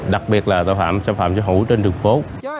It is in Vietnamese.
đặc biệt là tội phạm xâm phạm sở hữu trên đường phố